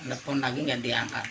nelfon lagi tidak diangkat